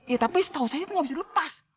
iya tapi setahu saya itu nggak bisa dilepas